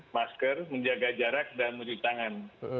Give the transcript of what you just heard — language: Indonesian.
masker menjaga jarak dan mencuci tangan